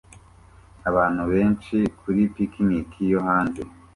Abantu benshi kuri picnic yo hanze